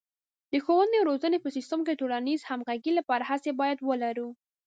د ښوونې او روزنې په سیستم کې د ټولنیزې همغږۍ لپاره هڅې باید ولرو.